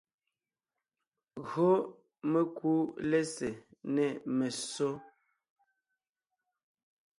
Gÿo mekú lɛ́sè nê messó,